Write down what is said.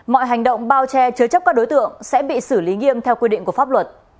mọi hành động bao che chứa chấp các đối tượng sẽ bị xử lý nghiêm theo quy định của pháp luật